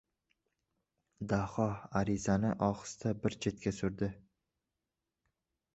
Daho arizani ohista bir chetga surdi.